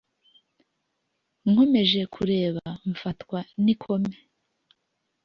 Nkomeje kureba mfatwa nikome